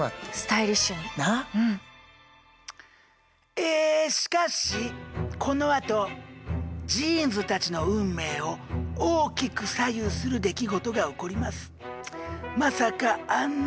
えしかしこのあとジーンズたちの運命を大きく左右する出来事が起こります。